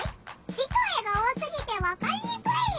字と絵が多すぎてわかりにくいよ。